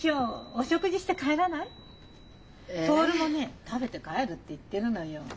徹もね食べて帰るって言ってるのよ。